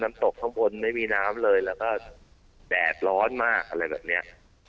ตกข้างบนไม่มีน้ำเลยแล้วก็แดดร้อนมากอะไรแบบเนี้ย